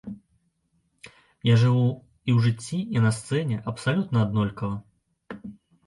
Я жыву і ў жыцці, і на сцэне абсалютна аднолькава.